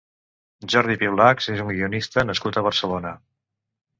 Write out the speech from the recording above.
Jordi Piulachs és un guionista nascut a Barcelona.